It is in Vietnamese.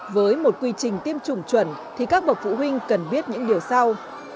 với một quy trình tiêm chủng chuẩn thì các bậc phụ huynh cần biết những điều sau